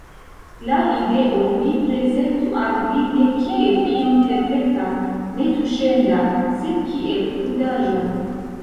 La ideon vi prezentu al vi ne kiel ion perfektan, netuŝendan, sed kiel krudaĵon.